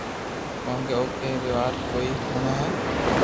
ڪونڪھ او ڪي ري وات ڪوئي ھڻي ھي